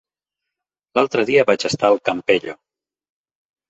L'altre dia vaig estar al Campello.